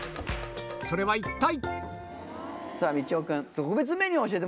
それは一体？